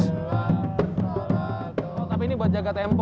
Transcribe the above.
tapi ini buat jaga tempo